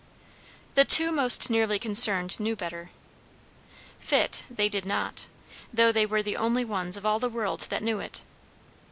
The two most nearly concerned knew better. Fit they did not, though they were the only ones of all the world that knew it.